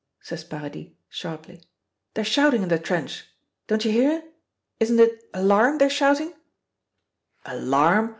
says Paradis, sharply, "they're shouting in the trench. Don't you hear? Isn't it 'alarm!' they're shouting?" "Alarm?